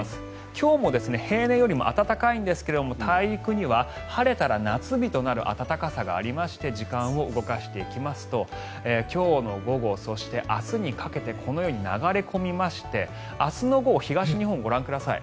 今日も平年よりも暖かいんですが大陸には、晴れたら夏日となる暖かさがありまして時間を動かしていきますと今日の午後、そして明日にかけてこのように流れ込みまして明日の午後、東日本ご覧ください